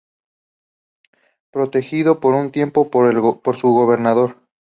Protegido por un tiempo por su gobernador.